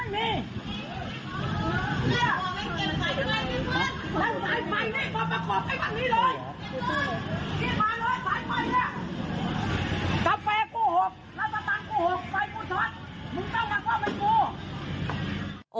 มึงต้องกระกว้ำให้กู